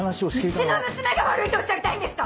うちの娘が悪いとおっしゃりたいんですか？